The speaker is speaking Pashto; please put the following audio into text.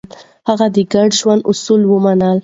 هغه د ګډ ژوند اصول ومنل.